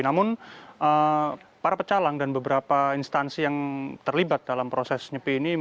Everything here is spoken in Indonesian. namun para pecalang dan beberapa instansi yang terlibat dalam proses nyepi ini